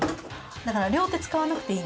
だから両手使わなくていいんです。